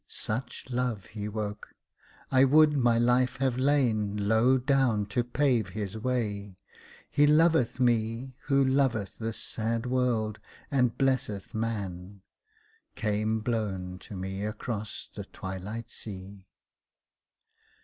Such love He woke, I would my life have lain Low down to pave His way, "He loveth me Who loveth this sad world, and blesseth man," Came blown to me across the twilight sea.